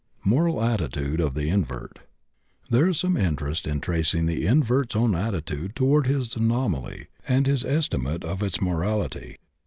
MORAL ATTITUDE OF THE INVERT. There is some interest in tracing the invert's own attitude toward his anomaly, and his estimate of its morality.